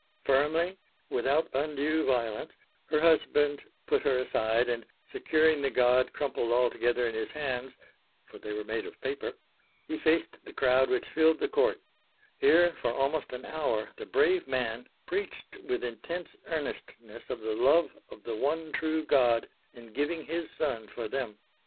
Firmly, without undue violence, her husband put her aside, and, securing the god crumpled all together in his hands, (for they were made of paper), he faced the crowd which filled the court; here, for almost an hour the brave man preached with intense earnestness of the love of the One True God in giving His Son for them.